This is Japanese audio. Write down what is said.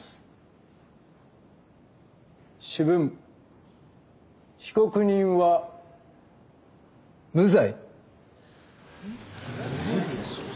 主文被告人は無罪。